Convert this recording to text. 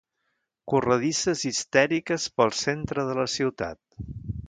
Corredisses histèriques pel centre de la ciutat.